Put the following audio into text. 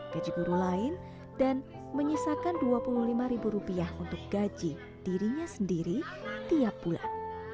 gaji guru lain dan menyisakan rp dua puluh lima ribu rupiah untuk gaji dirinya sendiri tiap bulan